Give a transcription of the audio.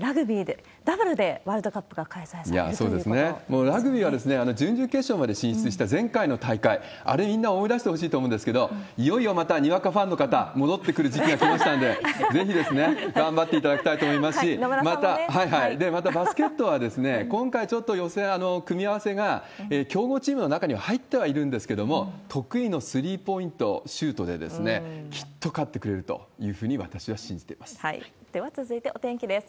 もうラグビーは、準々決勝まで進出した前回の大会、あれ、みんな思い出してほしいと思うんですけれども、いよいよまた、にわかファンの方、戻ってくる時期が来ましたんで、ぜひ頑張っていただきたいと思いますし、また、バスケットは今回ちょっと予選、組み合わせが、強豪チームの中には入っているんですけれども、得意のスリーポイントシュートできっと勝ってくれるというふうに、では続いて、お天気です。